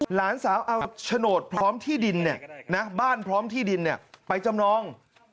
หลานสาวเอาโฉนดพร้อมที่ดินบ้านพร้อมที่ดินไปจำนอง